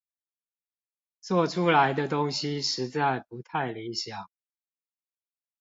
做出來的東西實在不太理想